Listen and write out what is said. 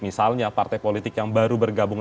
misalnya partai politik yang baru bergabung